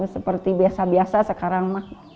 seperti biasa biasa sekarang